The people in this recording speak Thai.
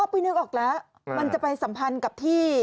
ไปนึกออกแล้วมันจะไปสัมพันธ์กับที่